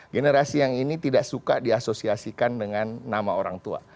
generasi yang ini tidak suka diasosiasikan dengan nama orang tua